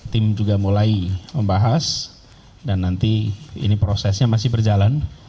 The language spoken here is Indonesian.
tim juga mulai membahas dan nanti ini prosesnya masih berjalan